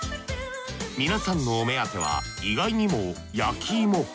皆さんのお目当ては意外にも焼き芋。